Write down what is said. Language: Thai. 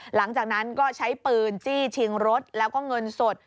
หลังจากนั้นก็ใช้ปืนจี้ชิงรถแล้วก็เงินสด